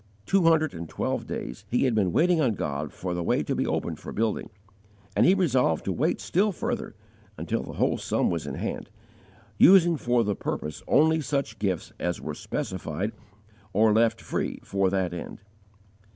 Two hundred and twelve days he had been waiting on God for the way to be opened for building, and he resolved to wait still further until the whole sum was in hand, using for the purpose only such gifts as were specified or left free for that end.